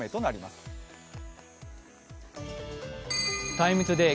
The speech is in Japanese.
「ＴＩＭＥ，ＴＯＤＡＹ」